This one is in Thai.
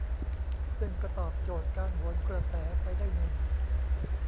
ซึ่งก็ตอบโจทย์การโหนกระแสไปได้หนึ่ง